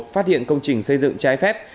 phát hiện công trình xây dựng trái phép